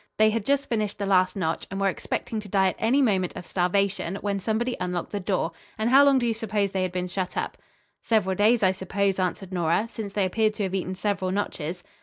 They had just finished the last notch, and were expecting to die at any moment of starvation, when somebody unlocked the door, and how long do you suppose they had been shut up!" "Several days, I suppose," answered Nora, "since they appeared to have eaten several notches."